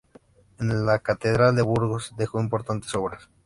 En la catedral de Burgos dejó importantes obras.